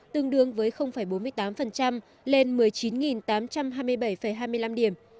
tương đương với bốn mươi tám lên một mươi chín tám trăm hai mươi bảy hai mươi năm điểm